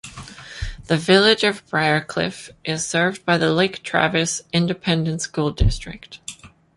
The Village of Briarcliff is served by the Lake Travis Independent School District.